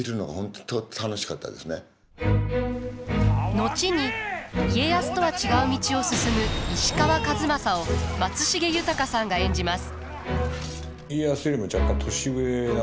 後に家康とは違う道を進む石川数正を松重豊さんが演じます。